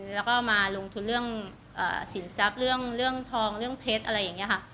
แล้วก็มาลงทุนเรื่องสินทรัพย์เรื่องทองเรื่องเพชรอะไรอย่างนี้ค่ะ